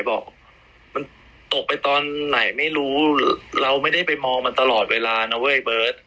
บอกมันตกไปตอนไหนไม่รู้เราไม่ได้ไปมองมันตลอดเวลานะเว้ยเบิร์ต